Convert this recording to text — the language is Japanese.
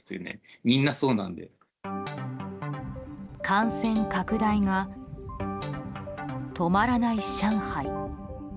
感染拡大が止まらない上海。